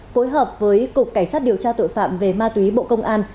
phối hợp với cục cảnh sát điều tra tội phạm về ma túy bộ công an